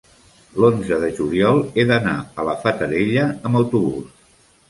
l'onze de juliol he d'anar a la Fatarella amb autobús.